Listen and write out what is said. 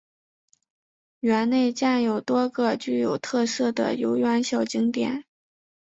园内建有多个具有特色的游园小景点。